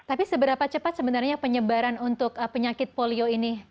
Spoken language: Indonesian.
tapi seberapa cepat sebenarnya penyebaran untuk penyakit polio ini